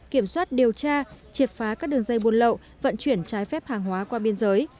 kiểm soát điều tra triệt phá các đường dây buôn lậu vận chuyển trái phép hàng hóa qua biên giới